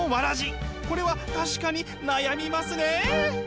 これは確かに悩みますね！